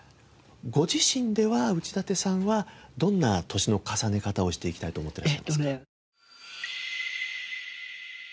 ご自身では内館さんはどんな年の重ね方をしていきたいと思ってらっしゃいますか？